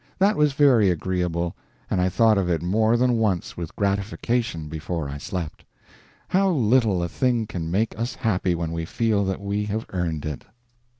That was very agreeable, and I thought of it more than once with gratification before I slept. How little a thing can make us happy when we feel that we have earned it!